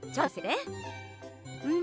うん。